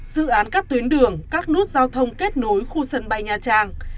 dự án các tuyến đường các nút giao thông kết nối khu sân bay nha trang